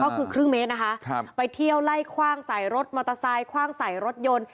ก็คือครึ่งเมตรนะคะครับไปเที่ยวไล่คว่างใส่รถมอเตอร์ไซค์คว่างใส่รถยนต์